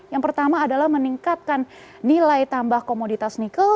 yang pertama adalah meningkatkan nilai tambah komoditas nikel